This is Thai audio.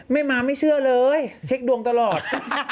ไม่มาไม่เชื่อเลยเช็คดวงตลอด